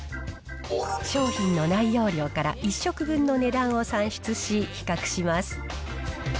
商品の内容量から１食分の値段を算出し、比較します。